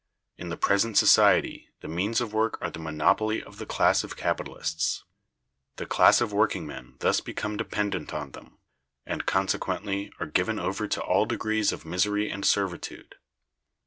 In the present society the means of work are the monopoly of the class of capitalists. The class of workingmen thus become dependent on them, and consequently are given over to all degrees of misery and servitude.